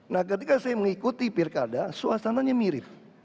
nah ketika saya mengikuti pilkada suasananya mirip